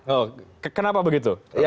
oh kenapa begitu